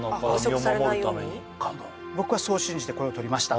僕はそう信じてこれを撮りました